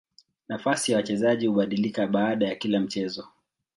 Nafasi ya wachezaji hubadilika baada ya kila mchezo.